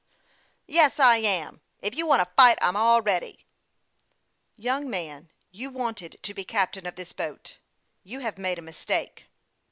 " Yes, I am ; if you want to fight, I'm all ready." " Young man, you wanted to be captain of this boat ; you have made a mistake."